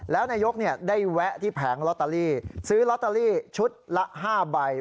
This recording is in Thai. แล้วนายกได้แวะที่แผงลอตเตอรี่ซื้อลอตเตอรี่ชุดละ๕ใบ